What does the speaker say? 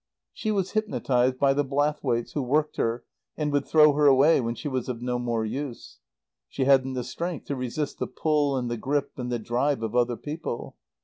She was hypnotized by the Blathwaites who worked her and would throw her away when she was of no more use. She hadn't the strength to resist the pull and the grip and the drive of other people.